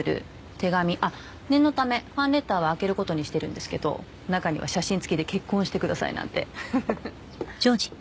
手紙あっ念のためファンレターは開けることにしてるんですけど中には写真付きで「結婚してください」なんてふふふふっ